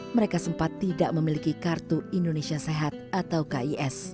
mereka sempat tidak memiliki kartu indonesia sehat atau kis